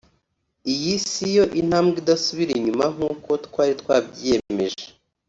iyi siyo intambwe idasubira inyuma nkuko twari twabyiyemeje